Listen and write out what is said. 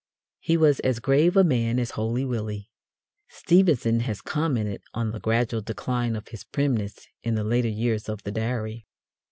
He was as grave a man as Holy Willie. Stevenson has commented on the gradual decline of his primness in the later years of the Diary.